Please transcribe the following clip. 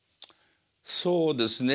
そうですね。